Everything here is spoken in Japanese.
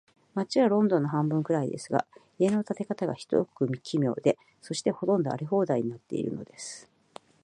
街はロンドンの半分くらいですが、家の建て方が、ひどく奇妙で、そして、ほとんど荒れ放題になっているのです。